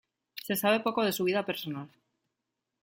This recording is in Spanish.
Se sabe poco de su vida personal.